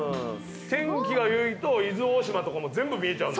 天気がいいと伊豆大島とかも全部見えちゃう。